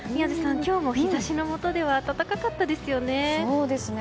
今日も日差しのもとでは暖かかったですよね。